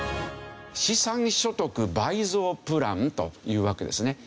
資産所得倍増プランというわけですね。